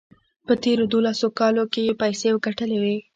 په تېرو دولسو کالو کې یې پیسې ګټلې وې.